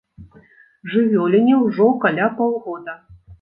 Жывёліне ўжо каля паўгода.